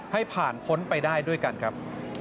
ให้ผ่านพ้นไปได้ด้วยกันครับ